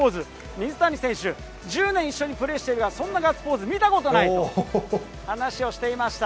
水谷選手、１０年一緒にプレーしているが、そんなガッツポーズ見たことないと、話をしていました。